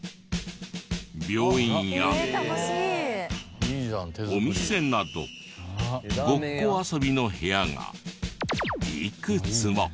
病院やお店などごっこ遊びの部屋がいくつも。